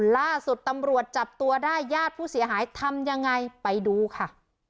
ล่าสุดตำรวจจับตัวได้ญาติผู้เสียหายทำยังไงไปดูค่ะ